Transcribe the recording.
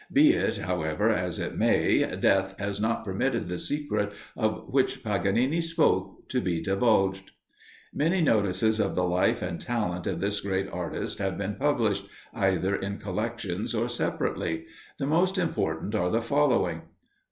Be it, however, as it may, death has not permitted the secret, of which Paganini spoke, to be divulged. Many notices of the life and talent of this great artist have been published, either in collections or separately; the most important are the following: 1.